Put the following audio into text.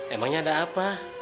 emangnya ada apa